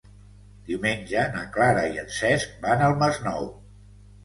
Diumenge na Clara i en Cesc van al Masnou.